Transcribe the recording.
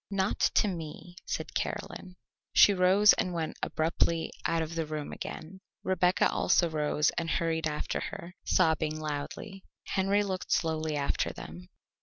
"Not to me," said Caroline. She rose, and went abruptly out of the room again. Rebecca also rose and hurried after her, sobbing loudly. Henry looked slowly after them.